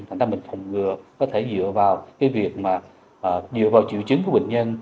thành ra mình không ngừa có thể dựa vào cái việc mà dựa vào triệu chứng của bệnh nhân